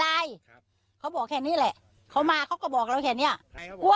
ได้ครับเขาบอกแค่นี้แหละเขามาเขาก็บอกเราแค่เนี้ยใครเขาบอกว่า